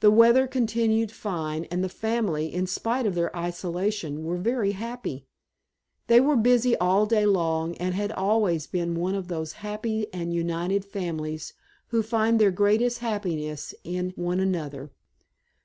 The weather continued fine, and the family, in spite of their isolation, were very happy. They were busy all day long, and had always been one of those happy and united families who find their greatest happiness in one another.